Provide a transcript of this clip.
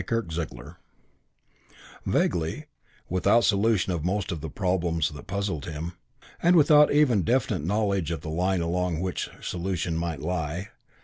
VIII Vaguely, without solution of most of the problems that puzzled him, and without even definite knowledge of the line along which solution might lie.